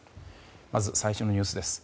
まず、最初のニュースです。